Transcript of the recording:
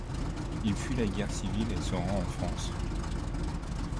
Il fuit la guerre civile et se rend en France.